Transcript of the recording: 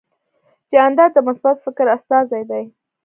جانداد د مثبت فکر استازی دی.